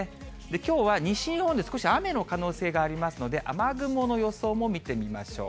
きょうは西日本で少し雨の可能性がありますので、雨雲の予想も見てみましょう。